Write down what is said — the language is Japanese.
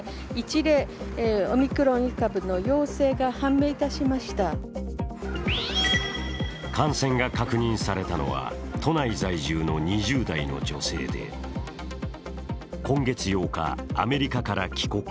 木曜感染が確認されたのは都内在住の２０代の女性で、今月８日、アメリカから帰国。